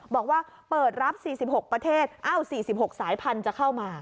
บอกว่าเปิดรับ๔๖ประเทศ๔๖สายพันธุ์จะเข้ามา